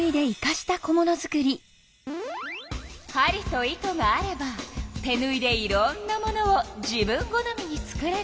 針と糸があれば手ぬいでいろんなものを自分好みに作れるの。